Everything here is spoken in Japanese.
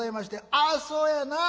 「ああそうやなあ。